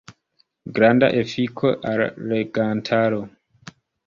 Granda efiko al la legantaro.